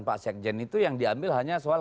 pak sekjen itu yang diambil hanya soal